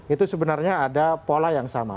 itu sebenarnya ada pola yang sama